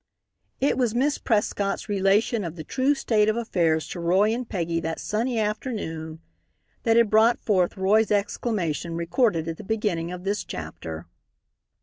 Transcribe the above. It was Miss Prescott's relation of the true state of affairs to Roy and Peggy that sunny afternoon that had brought forth Roy's exclamation recorded at the beginning of this chapter.